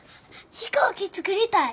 飛行機作りたい！